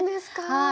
はい。